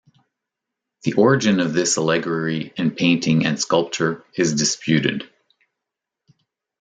The origin of this allegory in painting and sculpture is disputed.